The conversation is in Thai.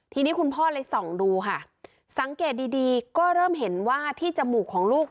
ทีนี้คุณพ่อเลยส่องดูค่ะสังเกตดีดีก็เริ่มเห็นว่าที่จมูกของลูก